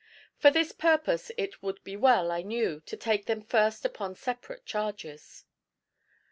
For this purpose it would be well, I knew, to take them first upon separate charges.